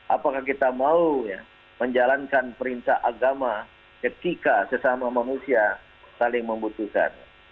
apakah kita mau menjalankan perintah agama ketika sesama manusia saling membutuhkan